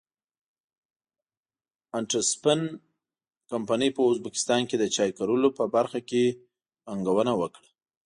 انټرسپن کمپنۍ په ازبکستان کې د چای کرلو په برخه کې پانګونه وکړه.